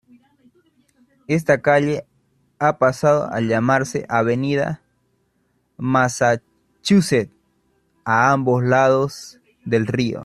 Esta calle ha pasado a llamarse Avenida Massachusetts a ambos lados del río.